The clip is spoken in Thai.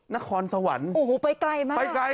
นครสวรรค์ไปไกลมาก